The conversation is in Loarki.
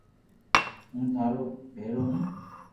ھون ٿارو ڀآرو ھون